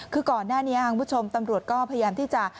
คือก่อนหน้านี้คุณผู้ชมตำรวจก็พยายามที่จะ